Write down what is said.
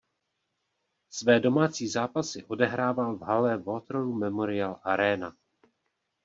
Své domácí zápasy odehrával v hale Waterloo Memorial Arena.